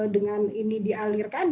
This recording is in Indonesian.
dengan ini dialirkan